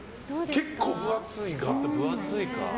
結構、分厚いな。